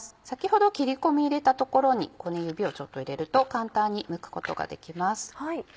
先ほど切り込み入れたところに指をちょっと入れると簡単にむくことができます。